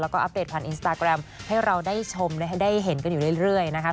แล้วก็อัปเดตผ่านอินสตาแกรมให้เราได้ชมได้เห็นกันอยู่เรื่อยนะคะ